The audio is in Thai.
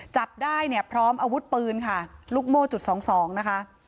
จับได้เนี่ยพร้อมอาวุธปืนค่ะลูกโม่จุดสองสองนะคะ